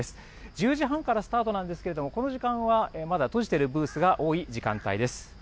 １０時半からスタートなんですけれども、この時間はまだ閉じてるブースが多い時間帯です。